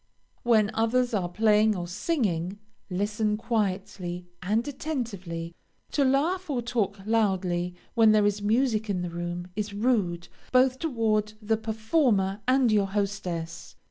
When others are playing or singing, listen quietly and attentively; to laugh or talk loudly when there is music in the room, is rude, both toward the performer and your hostess.